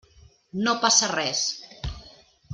No passa res.